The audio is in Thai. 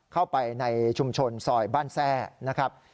เข้าไปในชุมชนซอยบ้านแทร่นะครับ